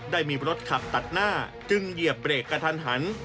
ได้มีรถขับตัดหน้าจึงเหยียบเบรกกระทันหัน